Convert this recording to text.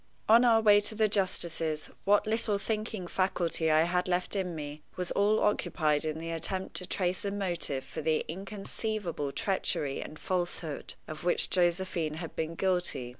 On our way to the justice's, what little thinking faculty I had left in me was all occupied in the attempt to trace a motive for the inconceivable treachery and falsehood of which Josephine had been guilty.